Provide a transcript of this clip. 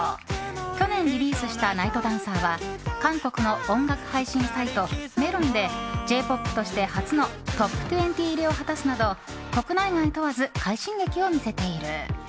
去年リリースした「ＮＩＧＨＴＤＡＮＣＥＲ」は韓国の音楽配信サイトメロンでＪ‐ＰＯＰとして初となるトップ２０入りを果たすなど国内外問わず快進撃を見せている。